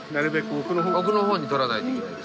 奥の方にとらないといけない。